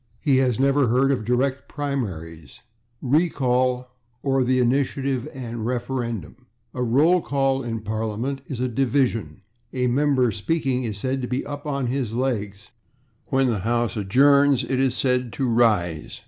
He has never heard of /direct primaries/, the /recall/ or the /initiative and referendum/. A /roll call/ in Parliament is a /division/. A member speaking is said to be /up/ or /on his legs/. When the house adjourns it is said to /rise